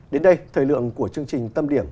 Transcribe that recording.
đến đây thời lượng của chương trình tâm điểm